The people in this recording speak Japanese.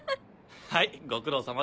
はいご苦労さまです。